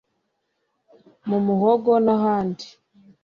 mu muhogo n’ahandi